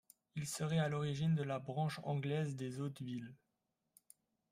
Il serait à l'origine de la branche anglaise des Hauteville.